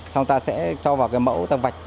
xong ta sẽ cho vào cái mẫu ta vạch